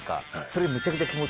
それむちゃくちゃ。